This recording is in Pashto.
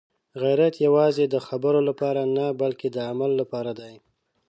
غیرت یوازې د خبرو لپاره نه، بلکې د عمل لپاره دی.